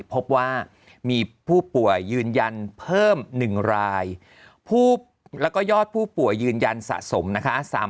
พบว่ามีผู้ป่วยยืนยันเพิ่ม๑รายแล้วก็ยอดผู้ป่วยยืนยันสะสมนะคะ